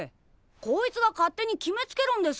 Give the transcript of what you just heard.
こいつが勝手に決めつけるんです。